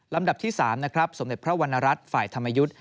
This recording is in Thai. ลำดับที่๓สมเด็จพระวรรณรัฐศ์ฝ่ายธรรมยุทธ